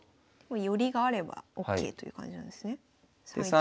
寄りがあればＯＫという感じなんですね。